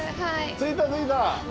着いた着いた。